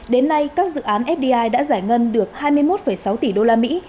đến nay các dự án fdi đã giải ngân được hai mươi một sáu tỷ đô la mỹ